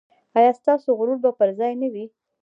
ایا ستاسو غرور به پر ځای نه وي؟